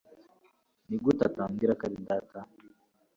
Nigute utambwira ko uri data